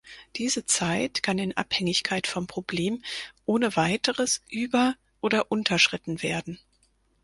Diese Zeit kann in Abhängigkeit vom Problem ohne weiteres über- oder unterschritten werden.